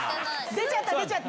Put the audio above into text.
出ちゃった、出ちゃった。